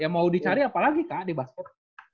ya mau dicari apa lagi kak di basket